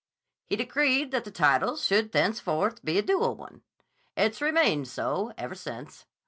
He decreed that the title should thenceforth be a dual one. It's remained so ever since.